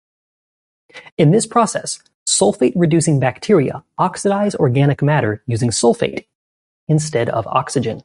In this process, Sulfate-reducing bacteria oxidize organic matter using sulfate, instead of oxygen.